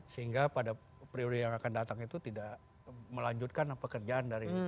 sehingga pada periode yang akan datang itu tidak melanjutkan pekerjaan dari